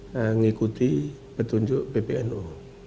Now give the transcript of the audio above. mengikuti petunjuk pbnu